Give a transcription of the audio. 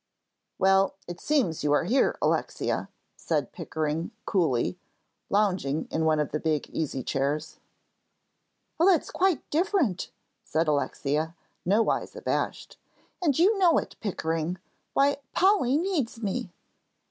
"Well, it seems you are here, Alexia," said Pickering, coolly, lounging in one of the big easy chairs. "Oh, that's quite different," said Alexia, nowise abashed, "and you know it, Pickering. Why, Polly needs me!"